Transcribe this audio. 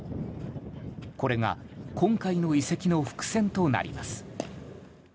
これが今回の移籍の伏線となります。